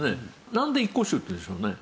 なんで一向宗っていうんでしょうね？